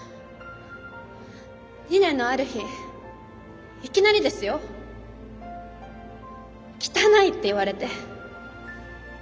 ２年のある日いきなりですよ「汚い！」って言われて。